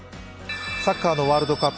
サッカーのワールドカップ